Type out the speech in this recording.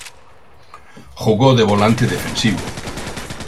Jugó de volante defensivo.